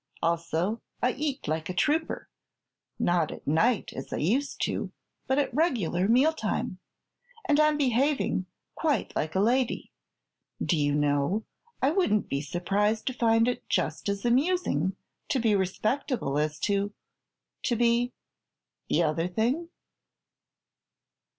Also I eat like a trooper not at night, as I used to, but at regular mealtime. And I'm behaving quite like a lady. Do you know, I wouldn't be surprised to find it just as amusing to be respectable as to to be the other thing?"